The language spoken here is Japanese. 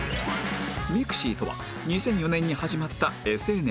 ｍｉｘｉ とは２００４年に始まった ＳＮＳ